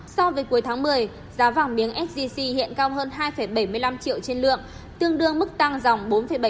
so với cuối tháng một mươi giá vàng miếng sgc hiện cao hơn hai bảy mươi năm triệu trên lượng tương đương mức tăng dòng bốn bảy